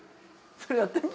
それやってみ？